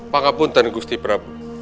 pak kapunten gusti prabu